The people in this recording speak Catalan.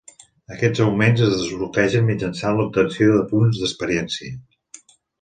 Aquests augments es desbloquegen mitjançant l'obtenció de punts d'experiència.